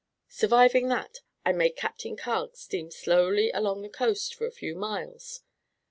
Surviving that, I made Captain Carg steam slowly along the coast for a few miles.